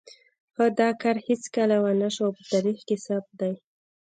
خو دا کار هېڅکله ونه شو او په تاریخ کې ثبت دی.